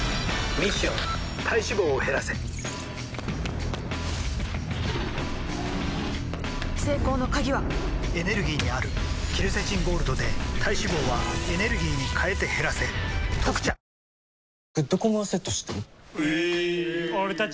ミッション体脂肪を減らせ成功の鍵はエネルギーにあるケルセチンゴールドで体脂肪はエネルギーに変えて減らせ「特茶」「ぽかぽか」